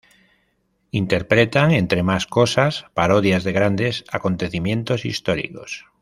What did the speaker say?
Interpretan, entre más cosas, parodias de grandes acontecimientos históricos.